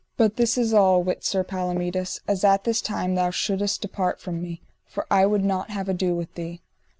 But this is all: wit Sir Palomides, as at this time thou shouldest depart from me, for I would not have ado with thee.